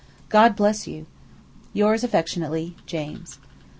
God bless you. Yours affectionately, JAMES.